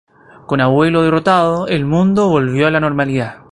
Con Abuelo derrotado, el mundo volvió a la normalidad.